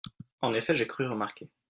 En effet, j’ai cru remarquer…